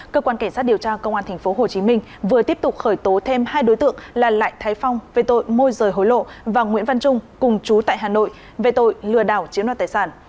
cơ quan cảnh sát điều tra công an tp hcm vừa tiếp tục khởi tố thêm hai đối tượng là lại thái phong về tội môi rời hối lộ và nguyễn văn trung cùng chú tại hà nội về tội lừa đảo chiếm đoạt tài sản